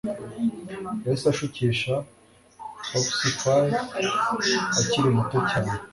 yahise ashukisha Hypsiphyl akiri muto cyane